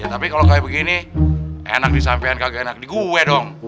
ya tapi kalo kaya begini enak disampein kagak enak di gue dong